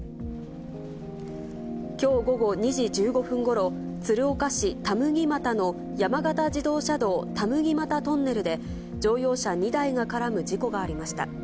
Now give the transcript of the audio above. きょう午後２時１５分ごろ、鶴岡市田麦俣の山形自動車道田麦俣トンネルで、乗用車２台が絡む事故がありました。